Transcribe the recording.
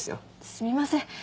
すみません。